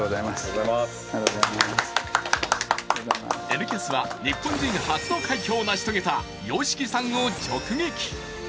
「Ｎキャス」は日本人初の快挙を成し遂げたＹＯＳＨＩＫＩさんを直撃。